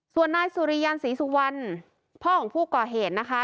ส่วนนายสุริยันศรีสุวรรณพ่อของผู้ก่อเหตุนะคะ